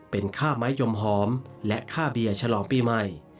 เป็นค่าไม้ยมหอมและค่าเบียร์ฉลองปีใหม่